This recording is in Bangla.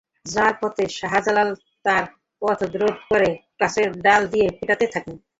যাওয়ার পথে শাহজাহান তাঁর পথরোধ করে গাছের ডাল দিয়ে পেটাতে থাকেন।